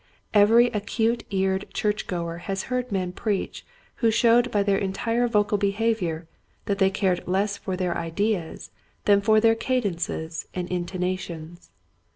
Every acute eared church goer has heard men preach who showed by their entire vocal behavior that, they cared less for their ideas than for their cadences and intonations.